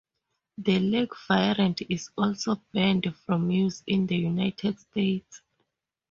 The lake variant is also banned from use in the United States.